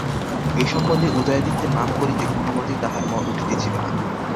এ সম্বন্ধে উদয়াদিত্যের নাম করিতে কোনোমতেই তাহার মন উঠিতেছিল না।